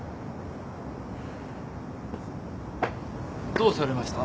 どうされました？